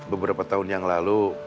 beberapa tahun yang lalu